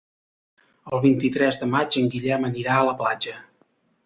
El vint-i-tres de maig en Guillem anirà a la platja.